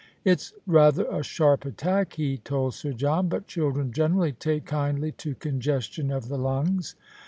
" It's rather a sharp attack," he told 8ir John. " But children generally take kindly to congestion of the lungs."